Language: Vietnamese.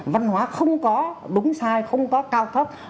văn hóa không có đúng sai không có cao cấp